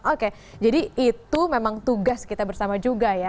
oke jadi itu memang tugas kita bersama juga ya